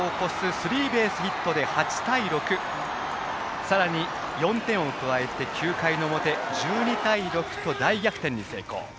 スリーベースヒットで８対６、さらに４点を加えて９回の表１２対６と大逆転に成功。